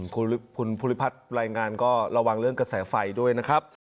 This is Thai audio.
คุณภูริพัฒน์รายงานก็ระวังเรื่องกระแสไฟด้วยนะครับ